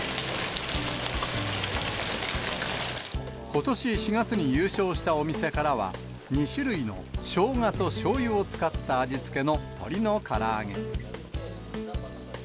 ことし４月に優勝したお店からは、２種類のしょうがとしょうゆを使った味付けの鶏のから揚げ。